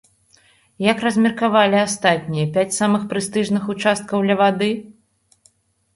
Як размеркавалі астатнія пяць самых прэстыжных участкаў ля вады?